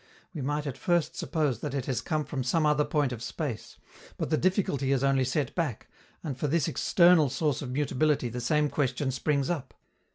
We might at first suppose that it has come from some other point of space, but the difficulty is only set back, and for this external source of mutability the same question springs up.